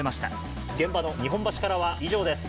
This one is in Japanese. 現場の日本橋からは以上です。